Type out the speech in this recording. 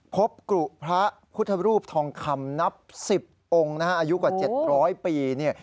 พบกลุพระพุทธรูปทองคำนับ๑๐องค์อายุกว่า๗๐๐ปี